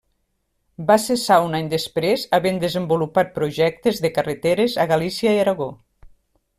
Va cessar un any després havent desenvolupat projectes de carreteres a Galícia i Aragó.